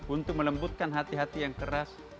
untuk melembutkan hati hati yang keras